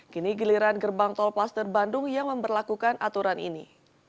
kini giliran gerbang tol paster bandung yang memperlakukan aturan ini